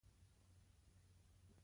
ګاونډي ته وفاداري ښکلا ده